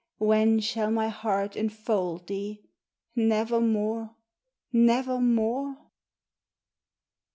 When shall my heart enfold thee? Nevermore? nevermore?